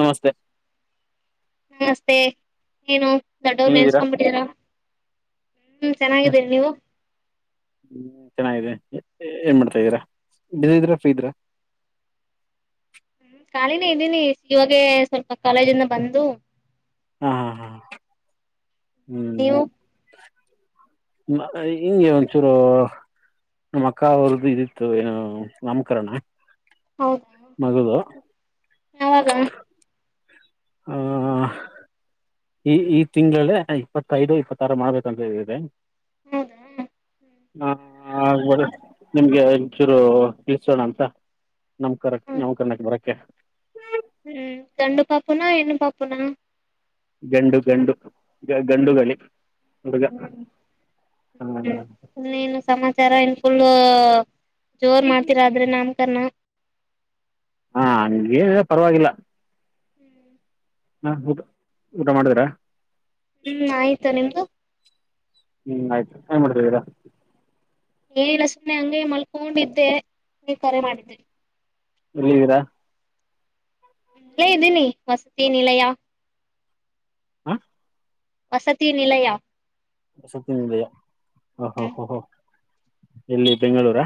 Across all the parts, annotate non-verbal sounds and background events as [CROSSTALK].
ನಮಸ್ತೆ ನಮಸ್ತೆ ಏನು ದೊಡ್ಡವರು ನೆನ್ಸ್ಕೊಂಡ್ಬಿಟ್ಟೀರಾ ಹ್ಮ ಹ್ಮ ಚೆನ್ನಾಗಿದೆ ಏನ್ ಮಾಡ್ತಾ ಇದ್ದೀರಾ ಬಿಸಿ ಇದ್ರ ಫ್ರೀ ಇದ್ರ ಕಾಲಿನೆ ಇದ್ದೀನಿ ಇವಾಗೆ ಸ್ವಲ್ಪ ಕಾಲೇಜಿಂದ ಬಂದು ಹಾ ಹಾ ಹಾ ಹ್ಮ್ ನೀವು ಹಿಂಗೆ ಒಂಚೂರು ನಮ್ಮ ಅಕ್ಕ ಅವರದ್ದು ಇದಿತ್ತು ಏನು ನಾಮಕರಣ ಹೌದಾ ಮಗದು ಯಾವಾಗ ಹ್ಮ ಈ ಈ ತಿಂಗಳಲ್ಲೇ ಇಪ್ಪತ್ತೈದು ಇಪ್ಪತ್ತಾರು ಮಾಡ್ಬೇಕಂತಿದೆ ಹೌದಾ ಹಾ ಹ ಆಗ್ಬೋಡ ನಿಮ್ಗೆ ಒಂಚೂರು ತಿಳಿಸೋಣ ಅಂತ ನಮ್ ಕರಕ್ ಹ್ಮ್ ನಮ್ ಕರ್ಣಕ್ ಬರಕ್ಕೆ ಪುನ ಹೆಣ್ಣ ಪಾಪುನ ಗಂಡು ಗಂಡು ಗ ಗಂಡು ಹ್ಮ್ ಗಲ್ಲಿ ಹುಡುಗ ಹ್ಮ್ ಇನ್ನೆನು ಸಮಾಚಾರ ಏನ್ ಫುಲ್ ಜೋರ್ ಮಾಡ್ತಿರ ಆದ್ರೆ ನಾಮಕರಣ ಹಾ ಹಂಗೆನಿಲ್ಲ ಏನ ಪರವಾಗಿಲ್ಲ ಹಾ ಊಟ ಊಟ ಮಾಡಿದಿರ ಹ್ಮ್ ಆಯ್ತು ನಿಮ್ದು ಹ್ಮ್ ಆಯ್ತು ಏನ್ ಮಾಡತೀದ್ದಿರಾ ಏನಿಲ್ಲ ಸುಮ್ನೆ ಹಂಗ ಮಲ್ಕೊಂಡಿದ್ದೆ ನೀವ್ ಕರೆ ಮಾಡಿದ್ರಿ ಎಲ್ಲಿದ್ದಿರಾ ಇಲ್ಲ ಇದ್ದೀನಿ ವಸತಿ ನಿಲಯಾ ಹ ವಸತಿ ನಲಯಾ ವಸತಿ ನಿಲಯ ಹ ಹ ಹ್ಮ್ ಹ ಹ ಎಲ್ಲಿ ಬೆಂಗಳೂರ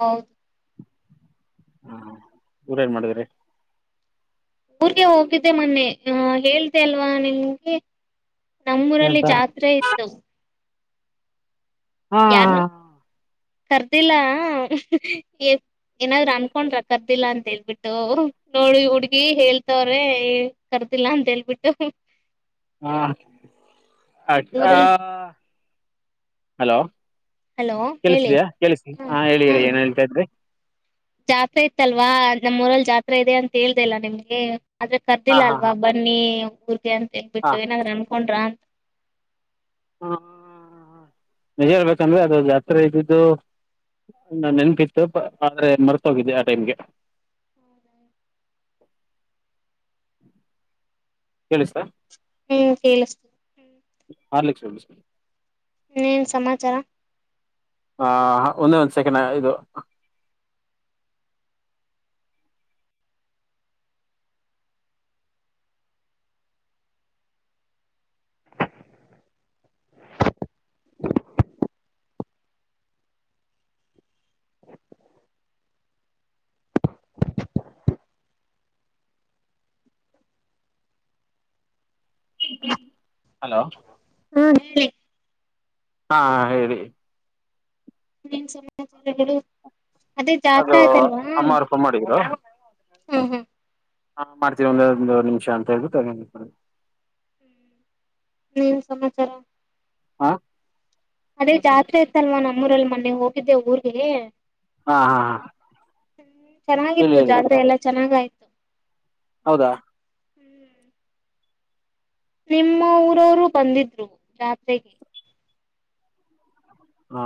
ಹೌದು ಹ್ಮ ಊಟ ಏನ್ ಮಾಡಿದ್ರಿ ಊರ್ಗೆ ಹೋಗಿದ್ದೆ ಮೊನ್ನೆ ಆ ಹೇಳದೆ ಅಲ್ವಾ ನಿಮಗೆ ನಮ್ಮೂರಲ್ಲಿ ಏನಂತ ಜಾತ್ರೆ ಇತ್ತು ಹಾ ಯಾರ್ನು ಕರ್ದಿಲ್ಲ ಏ. ಏನಾದ್ರೂ ಅನ್ಕೊಂಡ್ರ ಕರ್ದಿಲ್ಲ ಅಂತ ಹೇಳ್ಬಿಟ್ಟು ಅವರು ನೋಡಿ ಹುಡ್ಗಿ ಹೇಳ್ತವ್ರೆ ಕರ್. ಅಂತೆಲ್ಲಾ ಹೇಳಿಬಿಟ್ಟು. ಹಾ ಊರಲ್ಲಿ ಹಲೋ. ಹಲೋ ಹೇಳಿ ಕೆಲ್ಸಿದ್ಯಾ ಕೆಲ್ಸಿ ಹ ಹಾ ಹ ಹೇಳಿರಿ ಏನ್ ಹೇಳ್ತಾ ಇದ್ರಿ. ಜಾತ್ರೆ ಇತ್ತಲ್ವಾ ನಮ್ಮೂಊರಲ್ಲಿ ಜಾತ್ರೆ ಇದೆ ಅಂತ ಹೇಳ್ದಿಲ್ಲ ನಿಮ್ಗೆ. ಆದ್ರೆ ಹಾಂ ಕರ್ದಿಲ್ಲ ಹಾಂ ಅಲ್ವಾ ಬನ್ನಿ ಊರ್ರಿಗೆ ಅಂತ ಹೇಬಿಟ್ಟು ಹಾಂ ಏನಾದ್ ಅನ್ಕೊಂಡ್ರ. ನಿಜಾ ಹೇಳ್ಬೇಕಂದ್ರೆ ಅದು ಜಾತ್ರೆ ಇದ್ದಿದ್ದು. ನಂಗ್ ನೆನಪ್ ಇತ್ತು ಆದ್ರೆ ಮರ್ತ ಹೋಗಿದ್ದೆ ಆ ಟೈಮ್ಗೆ. [INAUDIBLE] ಕೇಳಿಸ್ತಾ. ಹ್ಮ್ ಕೆಳಸ್ತು. ಹಾರ್ಲಿಸ್. [INAUDIBLE] ಹ್ಮ ಸಮಾಚಾರ. ಹಾಹ ಒಂದ ಒಂದ ಸೆಕೆಂಡ್ ಇರು. [INAUDIBLE] ಹಲೋ. ಹ್ಮ ಹೇಳಿ. ಹಾ ಹೇಳಿ. ಇನ್ ಸಮಾಚಾರಗಳು ಅದೇ ಜಾತ್ ಅದು ಆಯ್ತಲ್ವಾ. ಅಮ್ಮ ಅವ್ರು ಫೋನ್ ಹಾ ಹಾ. ಹಾ ಮಾಡ್ತೀವಿ ಒಂದ ಒಂದು ನಿಮಿಷ ಅಂತ ಹೇಳ್ಬು ತಗೊಂಡಕ ಏನ್ ಸಮಾಚಾರ. ಹಾ. ಅದೇ ಜಾತ್ರೆ ಇತ್ತಲ್ವಾ ನಮ್ಮೂರಲ್ಲಿ ಮೊನ್ನೆ ಹೋಗಿದ್ದೆ ಊರ್ಗೆ. ಹಾ ಹಾ ಹಾ. ಹ್ಮ್ ಹೇಳಿ ಚೆನ್ನಾಗಿತ್ತು ಹೇಳಿ ಜಾತ್ರೆ ಎಲ್ಲಾ ಚೆನ್ನಾಗಯ್ತು. ಹೌದಾ. ನಿಮ್ಮ ಊರವರು ಬಂದಿದ್ರು ಜಾತ್ರೆಗೆ. ಹಾ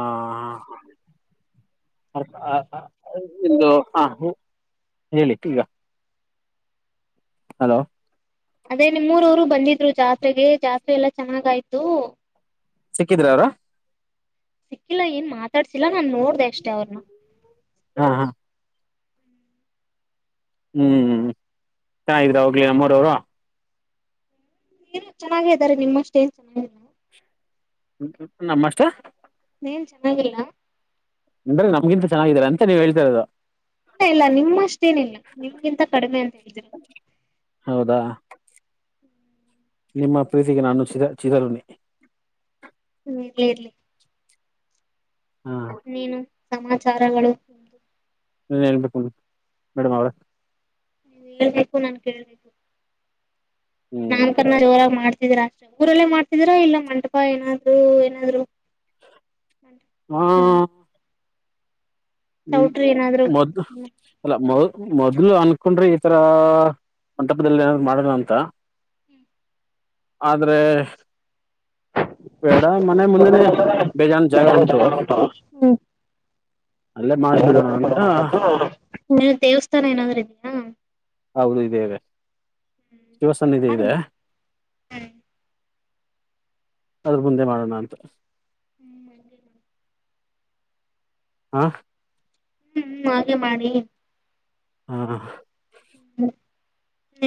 ಹಾ. [INAUDIBLE] ಇದು ಹ ಹೇಳಿ ಈಗ. ಹಲೋ. ಅದೇ ನಿಮ್ಮ ಊರವರು ಬಂದಿದ್ರು ಜಾತ್ರೆಗೆ ಜಾತ್ರೆ ಎಲ್ಲಾ ಚೆನ್ನಾಗಾಯ್ತು. ಸಿಕ್ಕಿದ್ರ ಅವ್ರ. ಸಿಕ್ಕಿಲ್ಲಾ ಏನ್ ಮಾತಾಡ್ಸಿಲ್ಲ ನಾನ್ ನೋಡ್ದೆ ಅಷ್ಟೇ ಅವ್ರನ್ನ. ಹಾ ಹಾ. ಹ್ಮ್ ತಾಯಿ ಈಕಡೆ ಹೋಗ್ಲಿ ನಮ್ಮರವರು. ನೀನು ಚೆನ್ನಾಗೇ ಇದ್ದಾರೆ ನಿಮ್ಮಷ್ಟೇ ಏನ್ ಚೆನ್ನಾಗಿಲ್ಲ. ನಮ್ಮ ಅಷ್ಟ. ಎನ್ ಚೆನ್ನಾಗಿಲ್ಲ. ಅಂದ್ರ ನಮಗಿಂತ ಚೆನ್ನಾಗಿದಿದ್ದಾರೆ ಅಂತ ನೀವ್ ಹೇಳ್ತ ಇರೋದು. ಇಲ್ಲ ಇಲ್ಲ ನಿಮ್ಮಷ್ಟೇನಿಲ್ಲ ನಿಮಗಿಂತ ಕಡಿಮೆ ಅಂತ ಹೇಳಿದರು. ಹೌದಾ ನಿಮ್ಮ ಪ್ರೀತಿಗೆ ನಾನು ಚಿರ ಚಿದರೂಣಿ. ಹ್ಮ್ ಇರ್ಲಿ ಇರ್ಲಿ. ಹಾ ನೀನು ಸಮಾಚಾರಗಳು ಎಂದು. ಮೇಡಮ್ ಅವಳೇ. ನೀನ್ ಹೇಳ್ಬೇಕು ನಾನ್ ಕೇಳ್ಬೇಕು ಹ್ಮ್ ನಾಮಕರಣ ಜೋರಾಗಿ ಮಾಡ್ತ. ತೀರಾ ಅಷ್ಟೇ ಊರಲ್ಲೇ ಮಾಡ್ತಿದೀರಾ ಇಲ್ಲ ಮಂಟಪ ಏನಾದ್ರು ಏನಾದ್ರು. ಹಾ. ಹ್ಮ್ ಚೌಟ್ರಿ ಏನಾದ್ರು ಮದ ಹ್ಮ್ ಅಲ್ಲ ಮದ. ಮೊದ್ಲು ಅನ್ಕೊಂಡ್ರಿ ಈತರ ಮಂಟಪದಲ್ಲಿ ಏನಾದ್ರು! ಮಾಡಣ ಅಂತ? [INAUDIBLE] ಆದರೆ? [INAUDIBLE] ಬೆಡ, ಮನೆ ಮುಂದೆನೇ! ಬೇಜಾನ್, ಜಾಗ ಉಂಟು. [INAUDIBLE] ಅಲ್ಲೇ, ಮಾಡ್ಬಿಡೋಣ ಅಂತ? [INAUDIBLE] ದೇವಸ್ಥಾನ, ಏನಾದಾರು, ಈತ? [INAUDIBLE] ಹೌದು, ಇದೆ, ಇದೆ, ಶಿವಸನ್ ಮಾಡಿ ಇದೆ. [INAUDIBLE] ಅವರು, ಮುಂದೆ ಮಾಡೋಣ ಅಂತ! [INAUDIBLE] ಹ್ಮ್. [INAUDIBLE] ಹಾ. [INAUDIBLE] ಹ್ಮ್, ಹಾಗೆ ಮಾಡಿ. [INAUDIBLE] ಹ, ಹಾ. [INAUDIBLE] ಹ್ಮ್,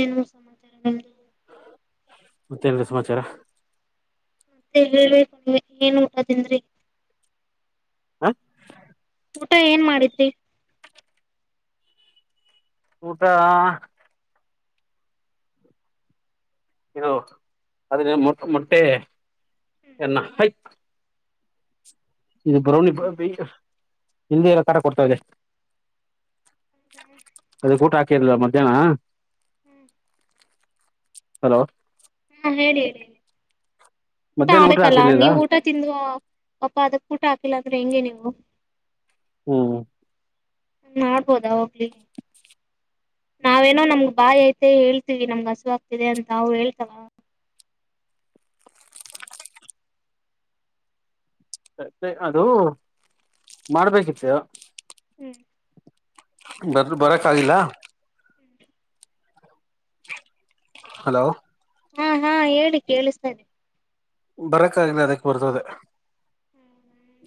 ಏನು, ಮಿಸ್ ಮತ್ತೆ ಇನ್ನೇನು, ಸಮಾಚಾರ. [INAUDIBLE] ಮತ್ತೆ, ಹೇಳಿ, ಏನು, ಊಟ, ತಿಂದೂರಿ. [INAUDIBLE] ಹಾ. [INAUDIBLE] ಊಟ, ಏನ್ ಮಾಡಿದ್ರಿ? [INAUDIBLE] ಊಟ. [INAUDIBLE] ಇದು, ಅದನ್ನ, ಮೊ, ಮೊಟ್ಟೆ ಎನ್ನ ಆಯ್ತು. [INAUDIBLE] ಇದು, ಬ್ರೌನಿ, ಬ, ಈಗ, ಹಿಂದಿ ಕಾಟ ಕೊಡ್ತಾ ಇದೆ. [INAUDIBLE] ಅದೇ, ಊಟ ಹಾಕಿರ್ಲಿಲ್ಲ ಮಧ್ಯಾಹ್ನ? [INAUDIBLE] ಹ್ಮ್. [INAUDIBLE] ಹಲೋ. [INAUDIBLE] ಹೇಳಿ, ಹೇಳಿ, ಊಟ ಮಧ್ಯಾಹ್ನ ಆಗ್ಬೇಕಲ್ಲ! ಹಾಕಿರ್ಲಿಲ್ಲ ನೀವು, ಊಟ ತಿದ್ವ. [INAUDIBLE] ಪಾಪಾ ಅದಕ್ಕೆ ಊಟ ಹಾಕಿಲ್ಲ ಅಂದ್ರೆ ಹೆಂಗೆ ನೀವು? ಹ್ಮ್ [INAUDIBLE] ನೋಡುಬೋಹುಧ, ಹೋಗ್ಲಿ ನಾವೇನೋ ನಮಗ. [INAUDIBLE] ಬಾಯಿ, ಐತೆ ಹೇಳ್ತೀವಿ! ನಮ್ಗೆ, ಹಸು ಆಗ್ತಿದೆ ಅಂತ, ಅವರು ಹೇಳ್ತಾರ? [INAUDIBLE] ಮತ್ತೆ, ಅದು ಮಾಡ್ಬೇಕಿತ್ತು? [INAUDIBLE] ಹ್ಮ್ ಭಟ್ರು ಬರಕಾಗಿಲ್ಲ? [INAUDIBLE] ಹಲೋ. [INAUDIBLE] ಹೂ, ಹೂ, ಹೇಳಿ, ಕೇಳಿಸ್ತಾ ಇದ್ದೆ. [INAUDIBLE] ಬರಕ್ಕಗಲ್ಲ, ಅದಕ್ ಬರ್ತದೆ. [INAUDIBLE]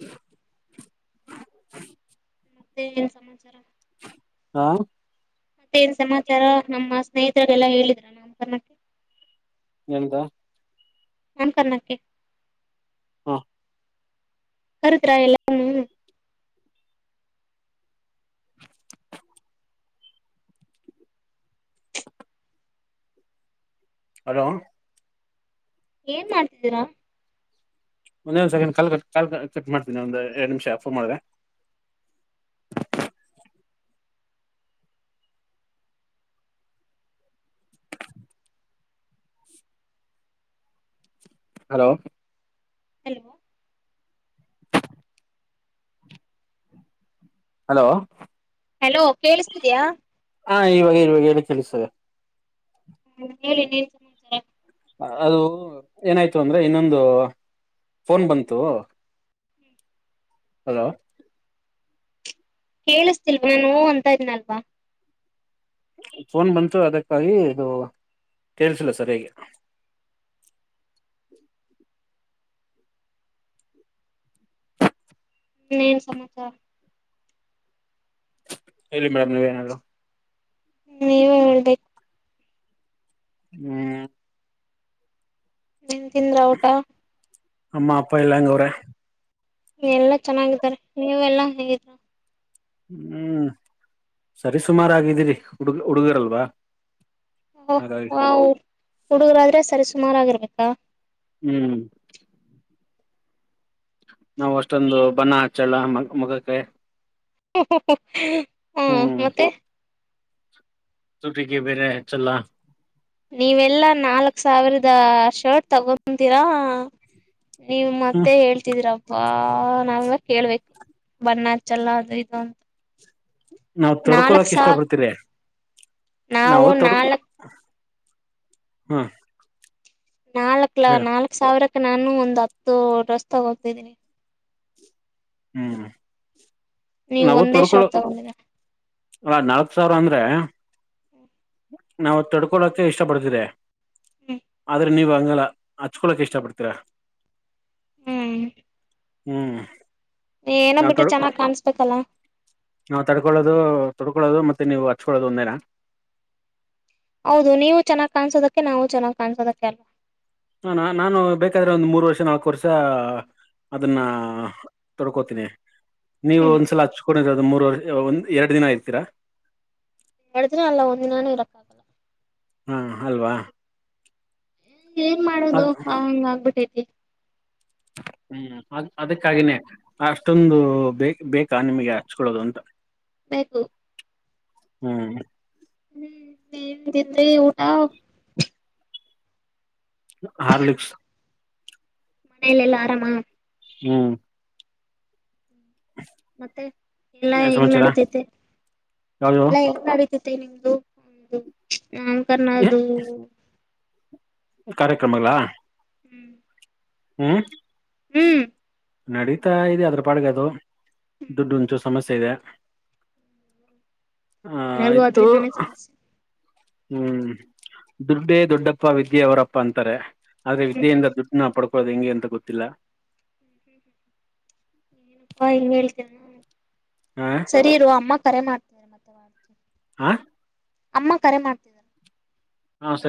[UNINTELLIGIBLE] [INAUDIBLE] ಮತ್ತೆ, ಏನ್ ಸಮಾಚಾರ? [INAUDIBLE] ಹಾ. [INAUDIBLE] ಮತ್ತೆ, ಏನ್ನ್ ಸಮಾಚಾರ? ನಮ್ಮ ಸ್ನೇಹಿತರೆಲ್ಲಾ, ಹೇಳಿದ್ರಂತಲ್ಲಮ್ಮ. [INAUDIBLE] ಎಂತ? [INAUDIBLE] ಅನುಕ, ಮಾರ್ಕೆಟ್. [INAUDIBLE] ಹೂ. [INAUDIBLE] ಕರದ್ರ, ಎಲ್ಲಾನು? [INAUDIBLE] ಹಲೋ! [INAUDIBLE] ಏನ್, ಮಾಡ್ತಿದ್ದೀರಾ? [INAUDIBLE] ಒಂದೇ, ಒಂದ್ ಸೆಕೆಂಡ್, ಕಾಲ್, ಕ್ಲಬ್ಯಾಕ್, ಮಾಡ್ತೀನಿ! ಒಂದು ಎರಡ್ ನಿಮಿಷ, ಫೋನ್ ಮಾಡ್ರೆ. [INAUDIBLE] [UNINTELLIGIBLE] [INAUDIBLE] ಹಲೋ. [INAUDIBLE] ಹೆಲೋ? [INAUDIBLE] ಹಲೋ. [INAUDIBLE] ಹೆಲೋ, ಕೇಳಿಸ್ತಾ ಇದಿಯಾ? [INAUDIBLE] ಹಾ, ಈವಾಗ, ಇವಾಗ! ಹೇಳಿ ಕೇಳಿಸ್ತಿದೆ? [INAUDIBLE] ಹ್ಮ್, ಹೇಳಿ ನೀವೇನು, ಸಮಾಚಾರ. [INAUDIBLE] ಅದು, ಏನಾಯ್ತು! ಅಂದ್ರೆ ಇನ್ನೊಂದು ಫೋನ್ ಬಂತು. [INAUDIBLE] ಹಲೋ ಕೇಳಿಸತಿಲ್ವ ನಾನ ಅಂತ ಇದನಲ್ವಾ ಫೋನ್ ಬಂತು ಅದಕ್ಕಾಗಿ ಇದು ಕೇಳ್ಸಿಲ್ಲ ಸರ್ ಹೇಗೆ ಹ್ಮ ಏನ್ ಸಮಾಚಾರ ಹೇಳಲ್ಲಿ ಮೇಡಮ್ ನೀವೇನಾರ ಹ್ಮ್ ನೀವೇ ಹೇಳ್ಬೇಕು ಹ್ಮ್ ನನ್ ತಿಂದ್ರ ಟಾ ಅಮ್ಮ ಅಪ್ಪ ಎಲ್ಲಾಂಗೂರ ಎಲ್ಲಾ ಚೆನ್ನಾಗಿದ್ದಾರೆ ನೀವೆ ಎಲ್ಲಾ ಹೇಗಿದ್ರ ಹ್ಮ್ ಸರಿ ಸುಮಾರು ಆಗಿದ್ದೀರಿ ಹುಡುಗ ಹುಡುಗಿರಲ್ವಾ ಓ ಹಾ ಹುಡುಗರಾದ್ರೆ ಸರಿ ಸುಮಾರಾಗಿಿರ್ಬೇಕಾ ಹ್ಮ್ ನಾವವು ಅಷ್ಟೊಂದು ಬಣ ಹಚ್ಚೋಳ ಮ ಮಗಕ್ಕೆಾಯ ಹಾ ಮತ್ತೆ ುಟಿಿಗೆ ಬೇರೆ ಚಲ್ಲ ನೀವೆಲ್ಲಾ ನಾಲ್ಕ್ ಸಾವಿರದ ಶರ್ಟ್ ತಗೊಂತೀರಾ ನೀವ್ ಹ್ಮ್ ಮತ್ತೆ ಹೇಳ್ತಿದಿರ ಬಾ ನಾವ ಕೇಳ್ಬೇಕು ಬಣ್ಣ ಹಚ್ಚಲ್ಲ ಅದು ಇದು ಅಂತ ನಾವವು್ ನಾಲ್ಕ್ ತೊಡ್ಕೊಳಕ್ ಸಾ ಇಷ್ಟ ಪಡ್ತೀರಿ ನಾವು ನಾವವು ತೊಡ್ ನಾಲ್ಕ್ ಹ್ಮ್ ನಾಲ್ಕ್ ಲ ನಾಲ್ಕ್ ಸಾವಿರಕ್ಕೆ ನಾನು ಒಂದ್ ಹತ್ತು ಡ್ರೆಸ್ ತಗೋತಿದೀನಿ ಹ್ಮ್ ನೀವ್ ನಾವು ಒಂದೇ ತೊಡ್ಕೊಳ್ಳು ಶರ್ಟ್ ತಗೊಂಡಿರ ಹ ನಾಲ್ಕ್ ಸಾವಿರ ಅಂದ್ರೆ ನಾವು ತಡ್ಕೊಳಕ್ಕೆ ಇಷ್ಟ ಪಡ್ತಿದೆ ಹ್ಮ್ ಆದ್ರೆ ನೀವ ಅಂಗಲ್ಲ ಹಚ್ಕೊಳಕ್ ಇಷ್ಟ ಪಡ್ತೀರಾ ಹ್ಮ್ ಹ್ಮ್ ಏನೋ ನಾವ್ ಬಿಟ್ಟು ತಡ್ ಚೆನ್ನಾಗ್ ಕಾಣಸ್ಬೇಕಲ್ಲ ನಾವ್ ತಡ್ಕೊಳ್ಳೋದು ತೊಡ್ಕೊೊಳ್ಳೋದು ಮತ್ತೆ ನೀವು ಹಚ್ಕೊಳ್ಳೋದು ಒಂದೇನಾ ಹೌದು ನೀವು ಚೆನ್ನಾಗ್ ಕಾಣಸೋದಕ್ಕೆ ನಾವವು ಚೆನ್ನಾಗ್ ಕಾಣಸೋದಕ್ಕೆ ಅಲ್ ಹಾ ನಾನು ಬೇಕಾದ್ರೆ ಒಂದ್ ಮೂರ್ ವರ್ಷ ನಾಲ್ಕ ವರ್ಷ ಅದನ್ನ ತೊಡ್ಕೋತೀನಿ ನೀವು ಹ್ಮ್ ಒಂದ್ಸಲ ಹಚ್ಕೊಂಡಿರ ಮೂರ್ ವರ್ಷ ಒಂದ್ ಎರಡ್ ದಿನ ಇರ್ತೀರಾ ಅತನ ಅಲ್ಲ ಒಂದಿನಾನು ಇರಕ್ಕ ಆಾಗಲ್ಲ ಹಾ ಅಲ್ವಾ ಏನ್ ಮಾಡೋದು ಅದ್ ಹ ಹಂಗ ಆಗ್ಬಿಟ್ಟೈತಿ ಹ್ಮ್ ಅ ಅದಕ್ಕಾಗಿನೇ ಅಷ್ಟೊಂದು ಬ ಬೇಕಾ ನಿಮಗೆ ಹಚ್ಕೊಳ್ಳೋದು ಅಂತ ಬೇಕು ಹ್ಮ್ ಹ್ಮ್ ನೀನ್ ತಿನ್್ರಿ ಊಟ ಹಾರ್ಲಕ್ಸ್ ಮನೆಯಲಿ ಎಲ್ಲಾ ಆರಾಮ ಹ್ಮ್ ಮತ್ತೆ ಎಲ್ಲಾ ಏನ್ ಹೆಂಗ್ ಸಮಾಚಾರ ನಡಿತೈತೆ ಯಾವ್ದು ಎಲ್ಲಾ ಹೆಂಗ ನಡಿತೈ ಮತ್ತೆ ನಿಮ್ದು ಒ ನಾಮಕರ್ಣದು ಕಾರ್ಯಕ್ರಮಗಳ ಹ್ಮ್ ಹ್ಮ್ ಹ್ಮ್ ನಡೀತಾ ಇದೆ ಅದ್ರ ಪಾಡ್ಗ ಅದು ದುಡ್ಡು ಉಂಚು ಸಮಸ್ಯೆ ಇದೆ ಹ ಎಲ್ಲರಿಗೂ ಇತ್ತು ಅದ್ರಿಂದಾನೇ ಸಮಸ್ಯೆ ಹ್ಮ್ ದುಡ್ಡೇ ದೊಡ್ಡಪ್ಪ ವಿದ್ಯೆ ಅವರಪ್ಪ ಅಂತಾರೆ ಆದ್ರೆ ಹ್ಮ್ ವಿದ್ಯೆಯಿಂದ ದುಡ್ಡನ ಪಡ್ಕ ಹದು ಹೆಂಗೆ ಅಂತ ಗೊತ್ತಿಲ್ಲ ಏನಪ್ಪಾ ಹಂಗ ಹೇಳ್ತ ಹ ಸರಿ ಇರುವ ಅಮ್ಮ ಕರೆ ಮಾಡ್ತಾರೆ ಮತ್ತೆ ವಡ್ ಹಾ ಅಮ್ಮ ಕರೆ ಮಾಡ್ತಿದ್ದಿದ್ದಾರೆ ಹಾ ಸರಿ